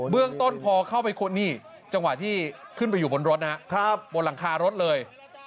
เรื่องต้นพอเข้าไปค้นนี่จังหวะที่ขึ้นไปอยู่บนรถนะครับบนหลังคารถเลย